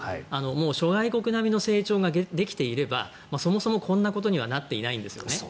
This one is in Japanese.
諸外国並みの成長ができていればそもそもこんなことにはなっていないんですね。